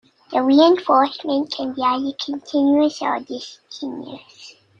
The reinforcement can be either continuous, or discontinuous.